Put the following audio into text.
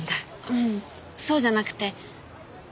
ううんそうじゃなくて。